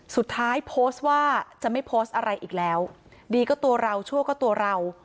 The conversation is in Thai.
สุดท้ายโพสต์ว่าจะไม่โพสต์อะไรอีกแล้วดีก็ตัวเราชั่วก็ตัวเรา